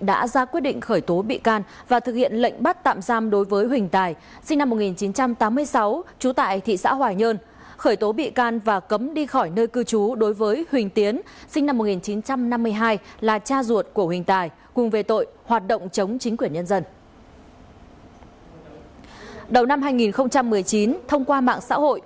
đầu năm hai nghìn một mươi chín thông qua mạng xã hội